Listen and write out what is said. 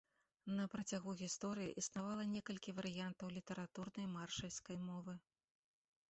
На працягу гісторыі існавала некалькі варыянтаў літаратурнай маршальскай мовы.